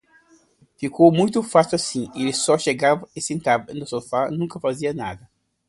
Ficou muito fácil assim, ele só chegava e sentava no sofá, nunca fazia nada.